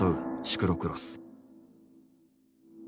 シクロクロス。